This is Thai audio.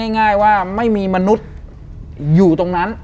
ง่ายว่าไม่มีมนุษย์อยู่ตรงนั้น